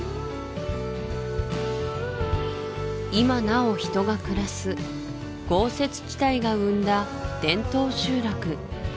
今なお人が暮らす豪雪地帯が生んだ伝統集落